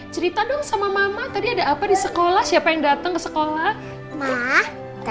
cerita dong sama mama tadi ada apa di sekolah siapa yang datang ke sekolah mah